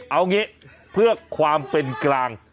เอางี้เพื่อความเป็นกลาง